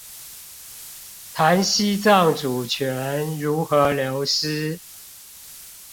談西藏主權如何流失